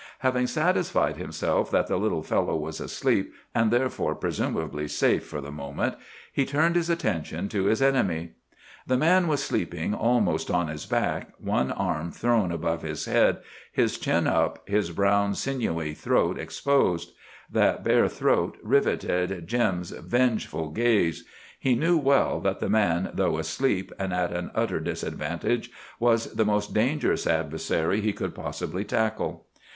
Having satisfied himself that the little fellow was asleep, and therefore presumably safe for the moment, he turned his attention to his enemy. The man was sleeping almost on his back, one arm thrown above his head, his chin up, his brown, sinewy throat exposed. That bare throat riveted Jim's vengeful gaze. He knew well that the man, though asleep and at an utter disadvantage, was the most dangerous adversary he could possibly tackle.